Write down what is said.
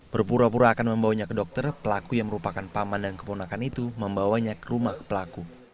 berpura pura akan membawanya ke dokter pelaku yang merupakan paman dan keponakan itu membawanya ke rumah pelaku